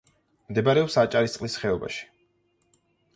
მდებარეობს აჭარისწყლის ხეობაში.